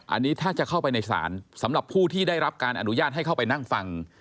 อันนี้ถ้าจะเข้าไปในศาลสำหรับผู้ที่ได้รับการอนุญาตให้เข้าไปนั่งฟัง